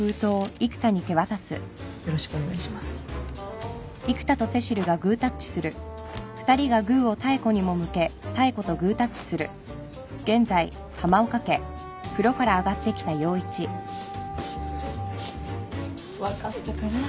よろしくお願いします分かったから。